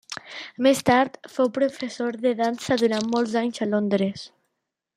Més tard fou professor de dansa durant molts anys a Londres.